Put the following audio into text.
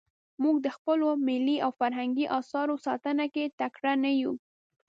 موږ د خپلو ملي او فرهنګي اثارو ساتنه کې تکړه نه یو.